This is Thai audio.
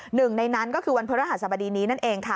หนึ่งในนั้นก็คือวันพระรหัสบดีนี้นั่นเองค่ะ